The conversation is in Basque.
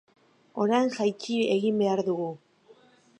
Orain jaitsi egin behar dugu.